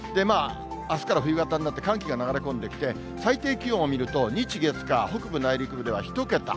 あすから冬型になって、寒気が流れ込んできて、最低気温を見ると、日、月、火、北部内陸部では１桁。